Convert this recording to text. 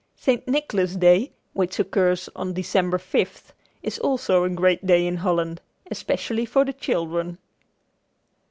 St. Nicholas Day, which occurs on December fifth, is also a great day in Holland, especially for the children.